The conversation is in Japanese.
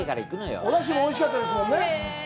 お出汁もおいしかったですもんね。